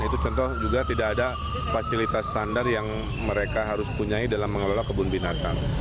itu contoh juga tidak ada fasilitas standar yang mereka harus punyai dalam mengelola kebun binatang